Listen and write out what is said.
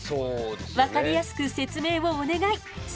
分かりやすく説明をお願い仙太くん！